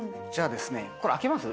これ開けます。